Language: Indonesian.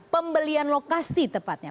pembelian lokasi tepatnya